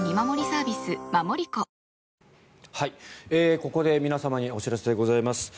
ここで皆様にお知らせがございます。